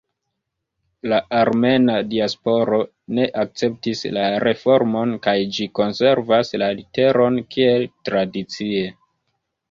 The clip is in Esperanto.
La armena diasporo ne akceptis la reformon kaj ĝi konservas la literon kiel tradicie.